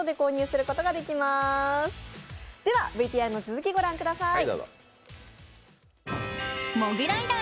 ではＶＴＲの続きをご覧ください。